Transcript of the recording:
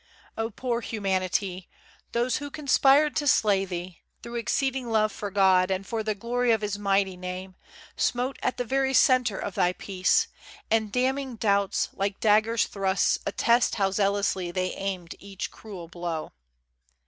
O, poor Humanity! those who conspired To slay thee, through exceeding love for God, And for the glory of His mighty name, Smote at the very centre of thy peace, And damning doubts, like daggers' thrusts, attest How zealously they aimed each cruel blow.